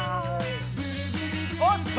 おおっと！